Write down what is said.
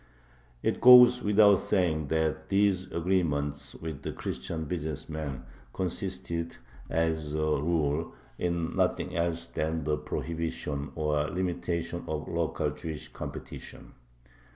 It goes without saying that these "agreements" with the Christian business men consisted as a rule in nothing else than the prohibition or limitation of local Jewish competition.